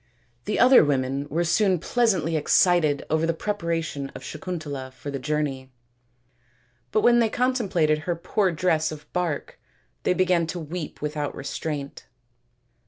The other women were soon pleasantly excited over the preparation of Sakuntala for the journey, but when they contemplated her poor dress of bark they began to weep without restraint.